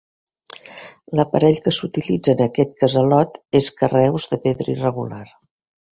L'aparell que s'utilitza en aquest casalot és carreus de pedra irregular.